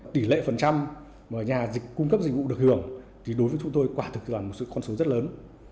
tỷ lệ phần trăm mà nhà cung cấp dịch vụ được hưởng thì đối với chúng tôi quả thực là một con số rất lớn